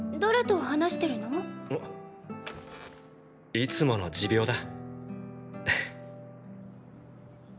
いつもの持病だ。